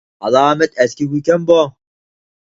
ئالامەت ئەسكى گۇيكەن بۇ.